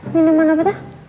minuman apa tuh